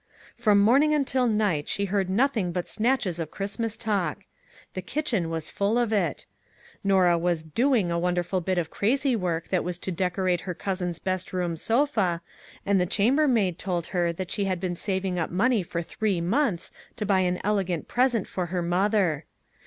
From morning until night she heard nothing but snatches of Christmas talk. The kitchen was full of it. Norah was " doing " a won derful bit of crazy work that was to decorate her cousin's best room sofa, and the chamber maid told her that she had been saving up money for three months to buy an elegant pres ent for her mother.